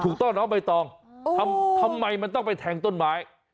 ถูกต้องน้องใบตองทำไมมันต้องไปแทงต้นไม้